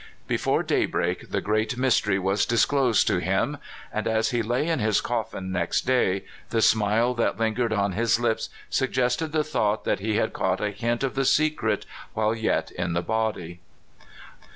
Before daybreak the great mystery was disclosed to him, and as he lay in his cofhn next day the smile that lingered on his lips suggested the thought that he had caught a hint of the secret while yet in the body.